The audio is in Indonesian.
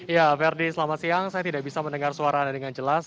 ya verdi selamat siang saya tidak bisa mendengar suara anda dengan jelas